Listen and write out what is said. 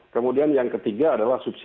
kemudian yang ketiga adalah subsidi